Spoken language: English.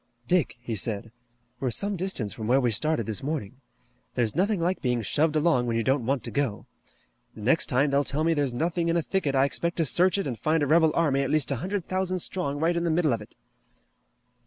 "Dick," he said, "we're some distance from where we started this morning. There's nothing like being shoved along when you don't want to go. The next time they tell me there's nothing in a thicket I expect to search it and find a rebel army at least a hundred thousand strong right in the middle of it."